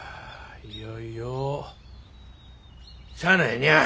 いよいよしゃあないにゃあ。